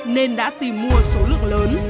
nên đã tìm mua số lượng lớn